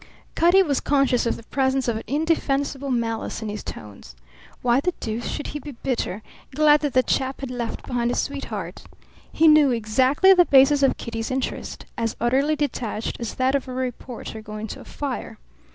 Cutty was conscious of the presence of an indefensible malice in his tones. Why the deuce should he be bitter glad that the chap had left behind a sweetheart? He knew exactly the basis of Kitty's interest, as utterly detached as that of a reporter going to a fire.